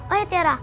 oh ya tiara